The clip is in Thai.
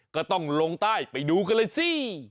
ก็ต้องลงใต้ไปดูกันเลยสิ